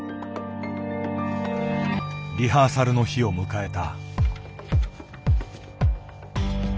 リハーサルの日を迎えた。